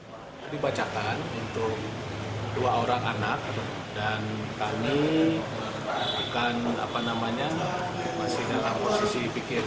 saya dibacakan untuk dua orang anak dan kami bukan apa namanya masih dalam posisi pikir